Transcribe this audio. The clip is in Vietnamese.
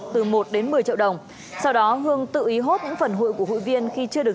từ một đến một mươi triệu đồng sau đó hương tự ý hốt những phần hụi của hụi viên khi chưa được